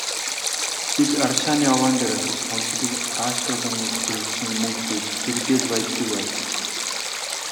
Бид рашааны овоон дээр очиж томчуудад аашлуулан, өргөсөн мөнгө түүж хэрдээ л «баяждаг» байж.